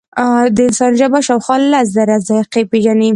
د انسان ژبه شاوخوا لس زره ذایقې پېژني.